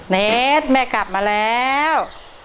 เนสแม่กลับมาแล้ว